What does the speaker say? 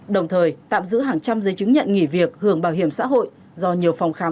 đồng thời tạm giữ hàng trăm giấy chứng nhận nghỉ việc hưởng bảo hiểm xã hội do nhiều phòng khám